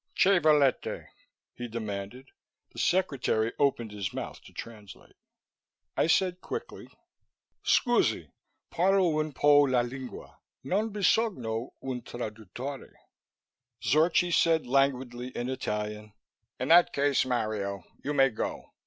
"Che volete?" he demanded. The secretary opened his mouth to translate. I said quickly, "Scusí; parlo un po' la lingua. Non bisogno un traduttore." Zorchi said languidly in Italian, "In that case, Mario, you may go.